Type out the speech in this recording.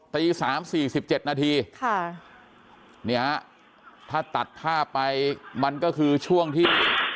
ตีสามสี่สิบเจ็ดนาทีค่ะเนี่ยถ้าตัดภาพไปมันก็คือช่วงที่